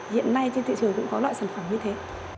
hiện nay trên thị trường cũng có loại sản phẩm như thế